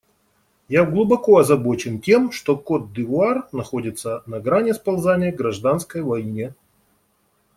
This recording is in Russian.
Я глубоко озабочен тем, что Котд'Ивуар находится на грани сползания к гражданской войне.